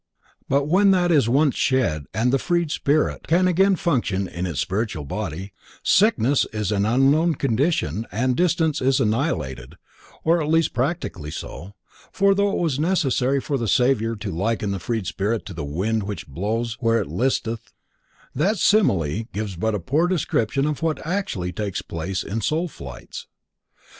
But when that is once shed and the freed spirit can again function in its spiritual body, sickness is an unknown condition and distance is annihilated, or at least practically so, for though it was necessary for the Savior to liken the freed spirit to the wind which blows where it listeth, that simile gives but a poor description of what actually takes place in soul flights.